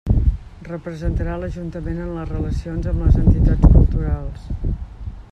Representarà l'ajuntament en les relacions amb les entitats culturals.